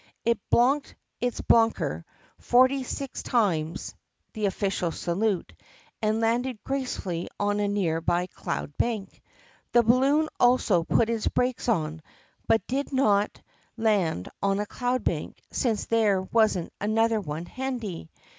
It bloonked its bloonker forty six times (the official salute) and landed gracefully on a near by cloud bank. The balloon also put its brakes on, but did not land on a cloud bank since there was n't another one handy.